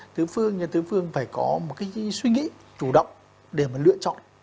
tứ phương như tứ phương phải có một suy nghĩ chủ động để mà lựa chọn